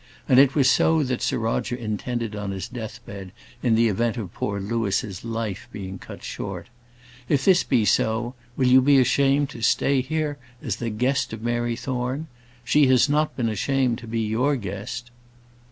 And it was so that Sir Roger intended on his deathbed, in the event of poor Louis's life being cut short. If this be so, will you be ashamed to stay here as the guest of Mary Thorne? She has not been ashamed to be your guest."